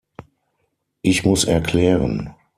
Ich muss erklären.